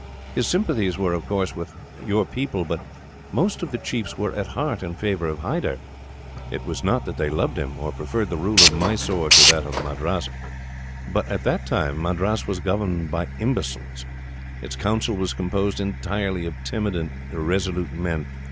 His sympathies were, of course, with your people; but most of the chiefs were, at heart, in favour of Hyder. It was not that they loved him, or preferred the rule of Mysore to that of Madras. But at that time Madras was governed by imbeciles. Its Council was composed entirely of timid and irresolute men.